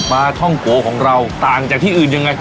ท่องโกของเราต่างจากที่อื่นยังไง